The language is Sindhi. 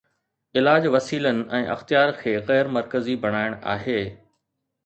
علاج وسيلن ۽ اختيار کي غير مرڪزي بڻائڻ آهي.